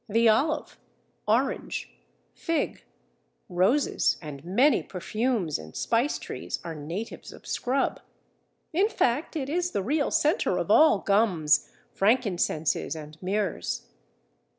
The Olive, Orange, Fig, Roses, and many perfumes and spice trees, are natives of scrub. In fact, it is the real centre of all gums, frankincenses, and myrrhs.